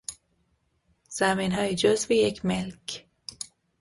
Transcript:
زمینهای جزو یک ملک